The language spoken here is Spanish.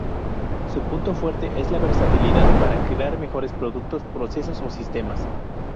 Su punto fuerte es la versatilidad para crear mejores productos, procesos o sistemas.